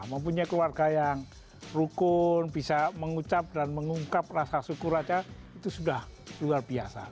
mempunyai keluarga yang rukun bisa mengucap dan mengungkap rasa syukur aja itu sudah luar biasa